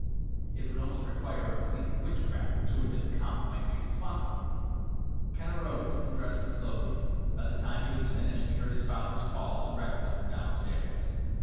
It would almost require a belief in witchcraft to admit the comet might be responsible! Ken arose and dressed slowly. By the time he was finished he heard his father's call to breakfast from downstairs.